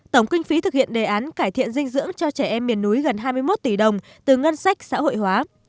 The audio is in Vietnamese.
tổng kinh phí thực hiện đề án cải thiện dinh dưỡng cho trẻ em miền núi gần hai mươi một tỷ đồng từ ngân sách xã hội hóa